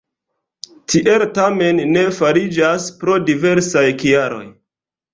Tiel tamen ne fariĝas, pro diversaj kialoj.